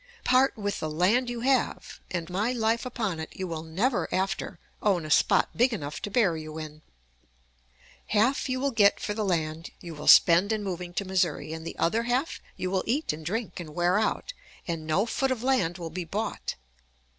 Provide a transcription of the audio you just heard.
Part with the land you have, and, my life upon it, you will never after own a spot big enough to bury you in. Half you will get for the land you will spend in moving to Missouri, and the other half you will eat and drink and wear out, and no foot of land will be bought.